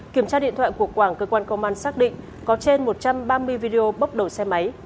kiểm tra điện thoại của quảng cơ quan công an xác định có trên một trăm ba mươi video bốc đầu xe máy